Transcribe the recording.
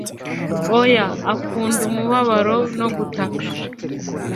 Oya akunda umubabaro no gutaka